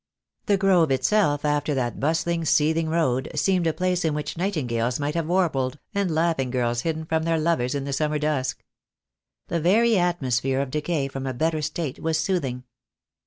The Grove itself, after that bustling, seething road, seemed a place in which nightingales might have warbled, and laughing girls hidden from their lovers in the summer dusk. The very atmosphere of decay from a better state was sooth ing.